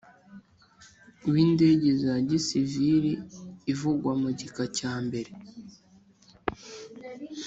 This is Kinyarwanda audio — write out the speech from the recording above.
w Indege za Gisivili ivugwa mu gika cya mbere